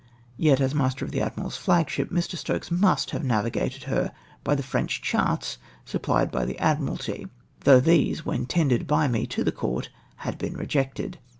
Yet, as master of the Admiral's flagship, Mr. Stokes must have navigated her hy the French charts supplied by the Admiralty, though these when tendered by me to the Court had been rejected.